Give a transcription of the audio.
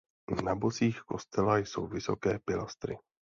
Na bocích kostela jsou vysoké pilastry.